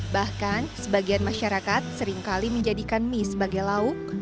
bahkan sebagian masyarakat seringkali menjadikan mie sebagai lauk